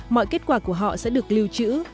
mọi kết quả của họ sẽ được lưu trữ